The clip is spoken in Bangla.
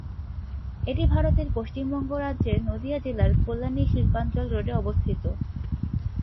এটি ভারতের পশ্চিমবঙ্গ রাজ্যের নদীয়া জেলার কল্যাণী শিল্পাঞ্চল রোডে অবস্থিত।